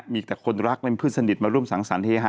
มีแต่คนรักและเพื่อนสนิทมาร่วมสังสรรคเฮฮา